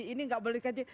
ini tidak boleh dikaji